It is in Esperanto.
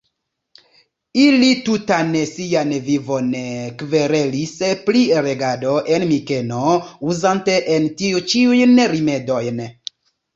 Ili tutan sian vivon kverelis pri regado en Mikeno, uzante en tio ĉiujn rimedojn.